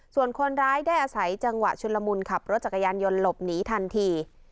ส่วนคนร้ายได้อาศัยจังหวะชุนละมุนขับรถจักรยานยนต์หลบหนีทันที